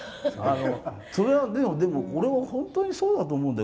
それは、でも俺は本当にそうだと思うんだよ。